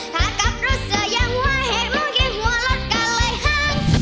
ถ้ากับรู้สึกยังว่าเห็นมือแคงหัวลดกันเลยห้าง